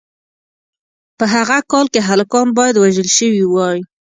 په هغه کال کې هلکان باید وژل شوي وای.